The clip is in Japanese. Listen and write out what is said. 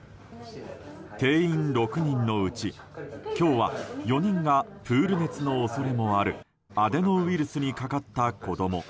定員６人のうち今日は４人がプール熱の恐れもあるアデノウイルスにかかった子供。